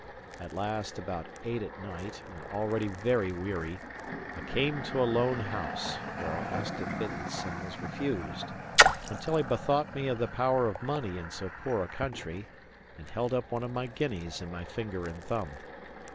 At last, about eight at night, and already very weary, I came to a lone house, where I asked admittance, and was refused, until I bethought me of the power of money in so poor a country, and held up one of my guineas in my finger and thumb.